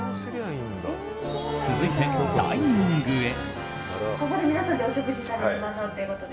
続いて、ダイニングへ。